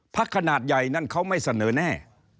ขนาดใหญ่นั้นเขาไม่เสนอแน่